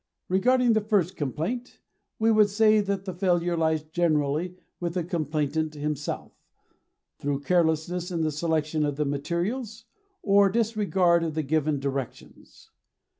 Regarding the first complaint, we would say that the failure lies generally with the complainant himself, through carelessness in the selection of the materials or disregard of the given directions.